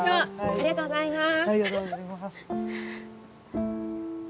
ありがとうございます。